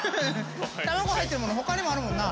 卵入ってる物他にもあるもんな。